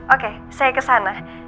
oke saya kesana